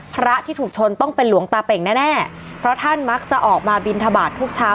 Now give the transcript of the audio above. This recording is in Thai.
พระที่ถูกชนต้องเป็นหลวงตาเป่งแน่แน่เพราะท่านมักจะออกมาบินทบาททุกเช้า